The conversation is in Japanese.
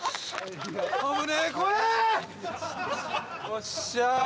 よっしゃー！